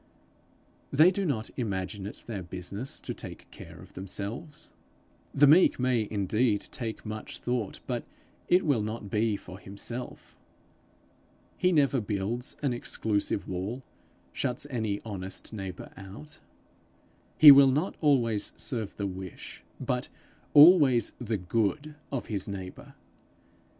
They do not imagine it their business to take care of themselves. The meek man may indeed take much thought, but it will not be for himself. He never builds an exclusive wall, shuts any honest neighbour out. He will not always serve the wish, but always the good of his neighbour.